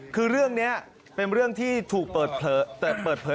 คือเรื่องนี้เป็นเรื่องที่ถูกเปิดเผย